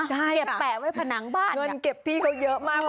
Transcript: ใช่ค่ะค่ะเก็บแปะไว้ผนังบ้านอย่างนี้มีเงินเก็บเพียงเยอะมาก